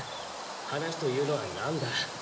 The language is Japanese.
話というのはなんだ？